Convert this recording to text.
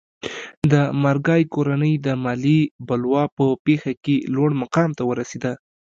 د مارګای کورنۍ د مالیې بلوا په پېښه کې لوړ مقام ته ورسېده.